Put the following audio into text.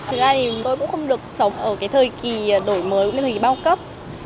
từ nay thì tôi cũng không được sống ở cái thời kỳ đổi mới cũng như thời kỳ bao cấp